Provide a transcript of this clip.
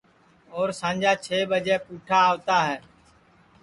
اور سانجا چھیں ٻجیں پُٹھا آوتا ہے